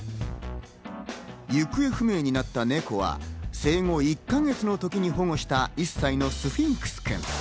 行方不明になったネコは生後１か月の時に保護した１歳のスフィンクス君。